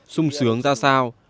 sung sướng ra sao